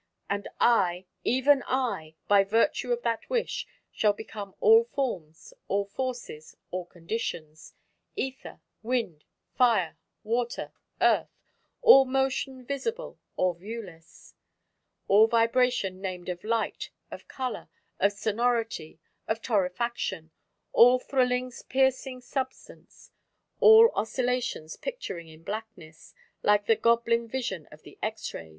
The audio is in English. And I even I! by virtue of that wish, shall become all forms, all forces, all conditions: Ether, Wind, Fire, Water, Earth, all motion visible or viewless, all vibration named of light, of color, of sonority, of torrefaction, all thrillings piercing substance, all oscillations picturing in blackness, like the goblin vision of the X rays.